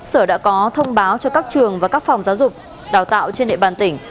sở đã có thông báo cho các trường và các phòng giáo dục đào tạo trên địa bàn tỉnh